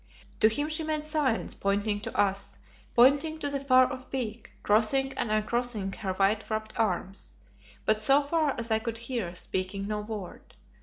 To him she made signs, pointing to us, pointing to the far off Peak, crossing and uncrossing her white wrapped arms, but so far as I could hear, speaking no word.